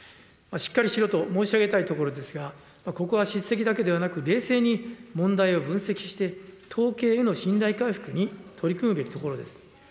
しっかりしろと申し上げたいところですが、ここは叱責だけではなく、冷静に問題を分析して、統計への信頼回復に取り組むべきところです。